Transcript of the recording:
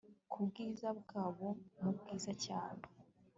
Kubwiza bwabo mubwiza cyane